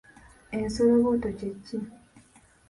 Ensolobotto kye ki?